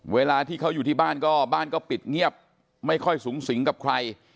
เวลาที่เขาอยู่ที่บ้านก็บ้านก็ปิดเงียบไม่ค่อยสูงสิงกับใคร